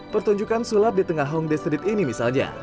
pertunjukan sulap di tengah hongde street ini misalnya